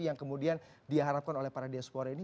yang kemudian diharapkan oleh para diaspora ini